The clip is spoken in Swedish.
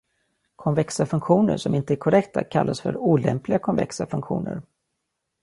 Konvexa funktioner som inte är korrekta kallas för "olämpliga konvexa funktioner".